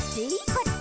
「こっち」